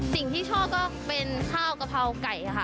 สิ่งที่ชอบก็เป็นข้าวกะเพราไก่ค่ะ